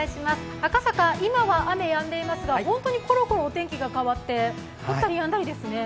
赤坂、今は雨やんでいますが本当にころころお天気が変わって降ったりやんだりですね。